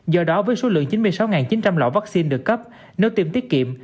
do đó với số lượng chín mươi sáu chín trăm linh lọ vaccine được cấp nếu tiêm tiết kiệm